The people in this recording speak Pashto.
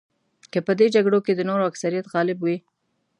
که په دې جګړو کې د نورو اکثریت غالب وي.